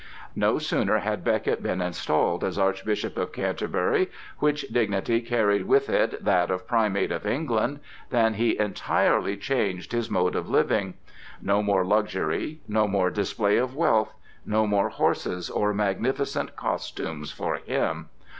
No sooner had Becket been installed as Archbishop of Canterbury—which dignity carried with it that of Primate of England—than he entirely changed his mode of living. No more luxury, no more display of wealth, no more horses or magnificent costumes for him!